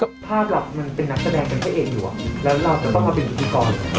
ภาพเรามันเป็นนักแสดงเป็นพระเอกอยู่แล้วเราจะต้องมาเป็นพิธีกร